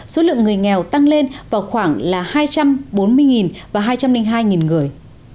số lượng người nghèo tăng lên vào khoảng là hai trăm bốn mươi và hai trăm linh hai người